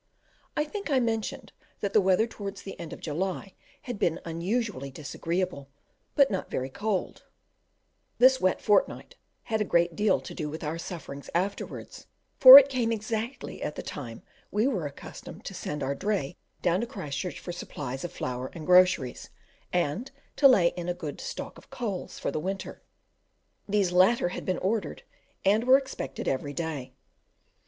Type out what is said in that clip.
I think I mentioned that the weather towards the end of July had been unusually disagreeable, but not very cold This wet fortnight had a great deal to do with our sufferings afterwards, for it came exactly at the time we were accustomed to send our dray down to Christchurch for supplies of flour and groceries, and to lay in a good stock of coals for the winter; these latter had been ordered, and were expected every day.